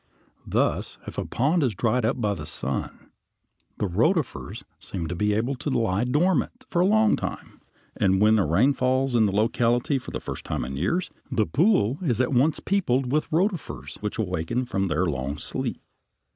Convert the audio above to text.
Thus if a pond is dried up by the sun, the rotifers seem to be able to lie dormant for a long time, and when a rain falls in the locality for the first time in years, the pool is at once peopled with rotifers which awaken from their long sleep.